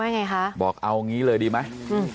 ไงคะบอกเอางี้เลยดีไหม